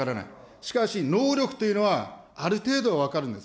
しかし能力というのは、ある程度は分かるんです。